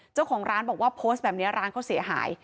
เจ้าของร้านบอกว่าโพสต์แบบนี้ร้านเขาเสียหาย